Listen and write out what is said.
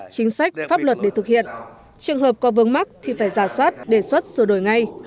chính sách pháp luật để thực hiện trường hợp có vướng mắt thì phải giả soát đề xuất sửa đổi ngay